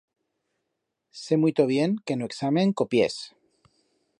Sé muito bien que en o examen copiés.